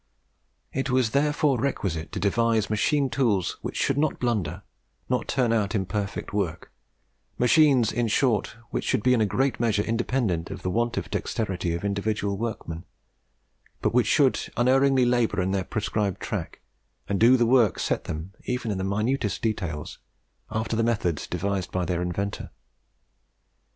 It was therefore requisite to devise machine tools which should not blunder, nor turn out imperfect work; machines, in short, which should be in a great measure independent of the want of dexterity of individual workmen, but which should unerringly labour in their prescribed track, and do the work set them, even in the minutest details, after the methods designed by their inventor.